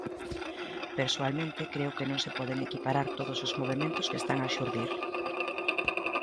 Persoalmente creo que non se poden equiparar todos os movementos que están a xurdir.